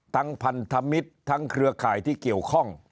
พันธมิตรทั้งเครือข่ายที่เกี่ยวข้อง